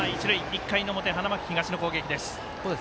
１回の表、花巻東の攻撃です。